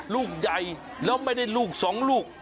ลูกใหญ่แล้วไม่ได้ลูกสองลูก